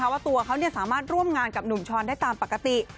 ว่าตัวเขาสามารถร่วมงานกับหนุ่มช้อนได้ตามปกติ